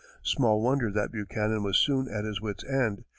Small wonder that Buchanan was soon at his wits' ends.